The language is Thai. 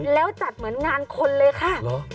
แล้วจัดเหมือนงานคนเลยค่ะ